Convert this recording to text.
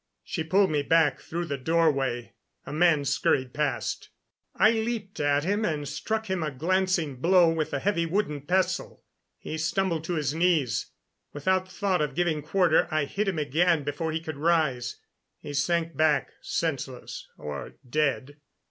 She pulled me back through the doorway. A man scurried past. I leaped at him and struck him a glancing blow with the heavy wooden pestle. He stumbled to his knees. Without thought of giving quarter, I hit him again before he could rise. He sank back, senseless or dead.